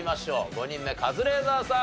５人目カズレーザーさん